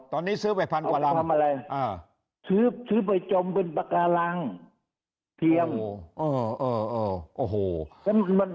ตอนนี้ซื้อไปพันกว่ารังทำอะไรซื้อไปจมเป็นปากการังเทียม